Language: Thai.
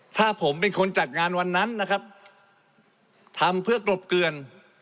ถ้าผมเป็นคนจัดงานวันนั้นนะครับทำเพื่อกลบเกลือน